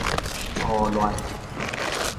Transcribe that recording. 粗劣